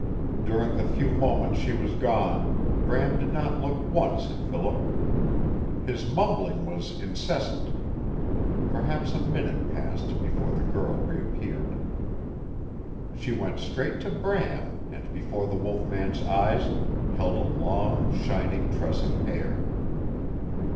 During the few moments she was gone Bram did not look once at Philip. His mumbling was incessant. Perhaps a minute passed before the girl reappeared. She went straight to Bram and before the wolf man's eyes held a long, shining tress of hair!